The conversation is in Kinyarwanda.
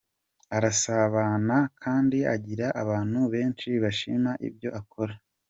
Arasabana kandi agira abantu benshi bashima ibyo akora.